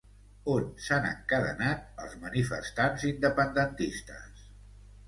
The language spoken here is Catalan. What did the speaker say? On s'han encadenat els manifestants independentistes?